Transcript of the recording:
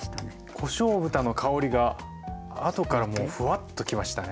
こしょう豚の香りがあとからもうフワッときましたね。